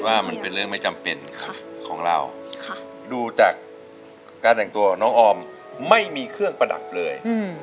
มันเป็นเรื่องไม่จำเป็นของเราดูจากการแต่งตัวน้องออมไม่มีเครื่องประดับเลย